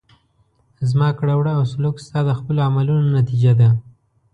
زما کړه وړه او سلوک ستا د خپلو عملونو نتیجه ده.